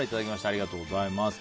ありがとうございます。